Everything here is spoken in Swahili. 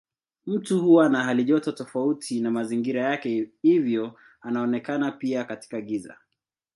Mtu huwa na halijoto tofauti na mazingira yake hivyo anaonekana pia katika giza.